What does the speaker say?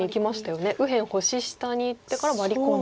右辺星下にいってからワリ込んで。